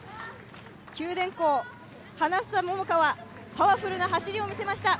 九電工・花房百伽がパワフルな走りを見せました。